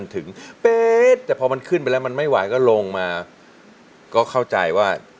เราเกิดมาใจเย็น